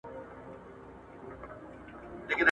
دواړي سترګي د غوايي دي ورتړلي !.